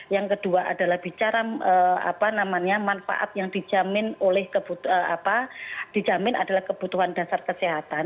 yang kedua adalah bicara manfaat yang dijamin adalah kebutuhan dasar kesehatan